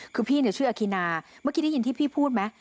คือพี่เนี่ยชื่ออาคินาเมื่อกี้ได้ยินที่พี่พูดไหม